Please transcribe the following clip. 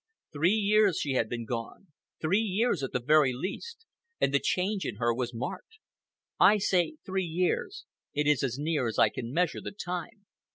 Three years she had been gone—three years at the very least, and the change in her was marked. I say three years; it is as near as I can measure the time.